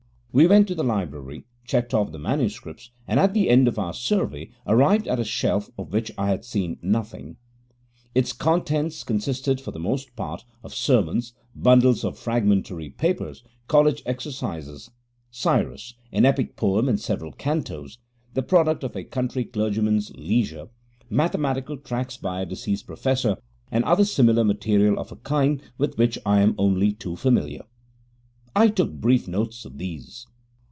We went to the library, checked off the manuscripts, and, at the end of our survey, arrived at a shelf of which I had seen nothing. Its contents consisted for the most part of sermons, bundles of fragmentary papers, college exercises, Cyrus, an epic poem in several cantos, the product of a country clergyman's leisure, mathematical tracts by a deceased professor, and other similar material of a kind with which I am only too familiar. I took brief notes of these.